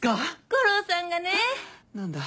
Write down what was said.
悟郎さんがね。何だ。